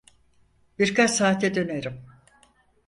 Birkaç saate dönerim.